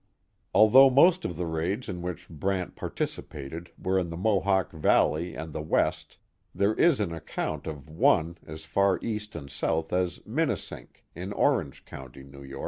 Although most of the raids in which Brant participated were in the Mohawk Valley and the West, there is an account of one as far east and south as Minisink, in Orange County, N. Y.